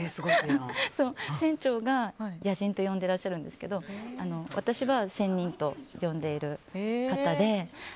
船長が野人と呼んでらっしゃるんですけど私は仙人と呼んでいる方で。